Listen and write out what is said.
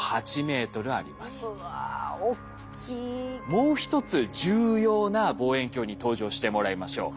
もう一つ重要な望遠鏡に登場してもらいましょう。